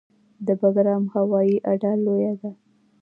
د بګرام هوایي اډه لویه ده